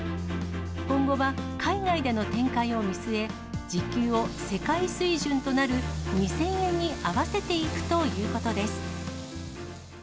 今後は海外での展開を見据え、時給を世界水準となる２０００円に合わせていくということです。